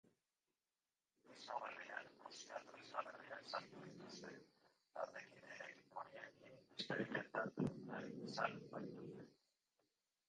Disko berrian musika-tresna berriak sartu dituzte, taldekideek horiekin esperimentatu nahi izan baitute.